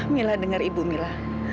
mila dengar ibu mila